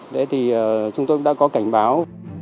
đấy thì chúng tôi đã có cảnh báo